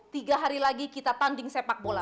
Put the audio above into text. tiga hari lagi kita tanding sepak bola